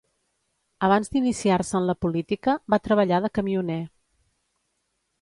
Abans d'iniciar-se en la política, va treballar de camioner.